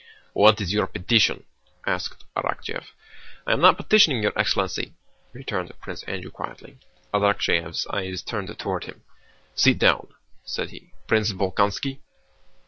"What is your petition?" asked Arakchéev. "I am not petitioning, your excellency," returned Prince Andrew quietly. Arakchéev's eyes turned toward him. "Sit down," said he. "Prince Bolkónski?"